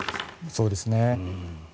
そうですね。